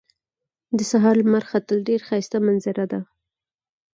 د سهار لمر ختل ډېر ښایسته منظره ده